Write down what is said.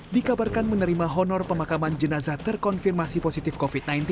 dikabarkan menerima honor pemakaman jenazah terkonfirmasi positif covid sembilan belas